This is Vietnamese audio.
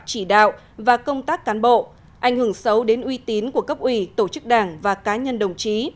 chỉ đạo và công tác cán bộ ảnh hưởng xấu đến uy tín của cấp ủy tổ chức đảng và cá nhân đồng chí